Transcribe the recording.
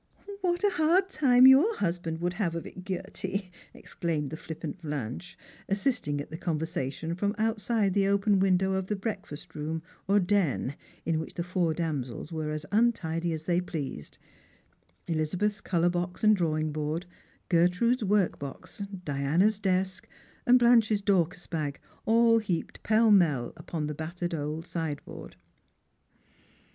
"What a hard time your husband would have of it, Gerty! " exclaimed the flippant Blanche, assisting at the conversation from outside the open window of the breakfast room or den, in which the four damsels were as untidy as they pleased ; Eliza beth's colour box and drawing board, Gertrude's work box, Diana's desk, Blanche's Dorcas bag, all heaped pell mell upon the battered old sideboard.